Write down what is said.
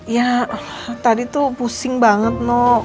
ya tadi tuh pusing banget nok